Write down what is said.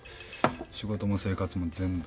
仕事も生活も全部。